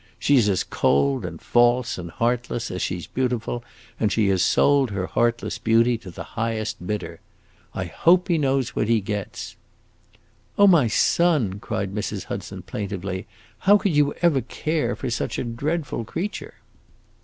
She 's as cold and false and heartless as she 's beautiful, and she has sold her heartless beauty to the highest bidder. I hope he knows what he gets!" "Oh, my son," cried Mrs. Hudson, plaintively, "how could you ever care for such a dreadful creature?"